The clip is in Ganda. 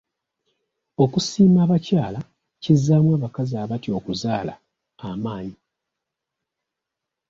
Okusiima abakyala kizzaamu abakazi abatya okuzaala amaanyi.